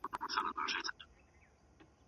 ورزش د بدن لپاره غوره عادت دی.